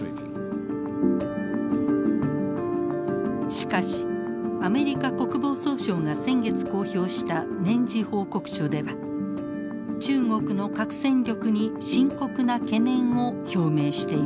しかしアメリカ国防総省が先月公表した年次報告書では中国の核戦力に深刻な懸念を表明しています。